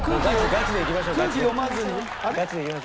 ガチでいきましょうよ。